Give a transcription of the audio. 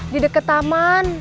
di deket taman